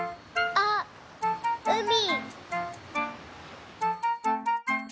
あっうみ！